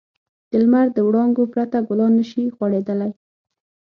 د لمر د وړانګو پرته ګلان نه شي غوړېدلی.